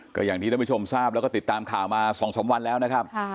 ก็อย่างที่ท่านผู้ชมทราบแล้วก็ติดตามข่าวมา๒๓วันแล้วนะครับ